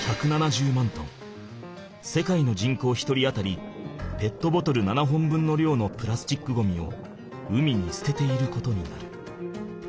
世界の人口１人当たりペットボトル７本分のりょうのプラスチックゴミを海にすてていることになる。